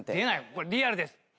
これリアルです。